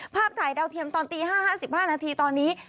ภาพถ่ายดาวเทียมตอนตี๕๕นาทีตอนนี้